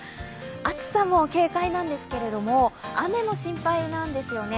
暑さも警戒なんですけれども、雨も心配なんですよね。